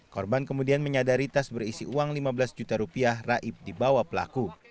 korban kemudian menyadari tas berisi uang lima belas juta rupiah raib dibawa pelaku